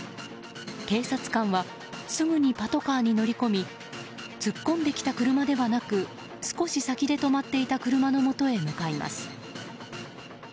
警察官はすぐにパトカーに乗り込み突っ込んできた車ではなく少し先で止まっていた車のもとへ向かいます。